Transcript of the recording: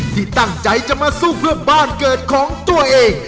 ที่ตั้งใจจะมาสู้เพื่อบ้านเกิดของตัวเอง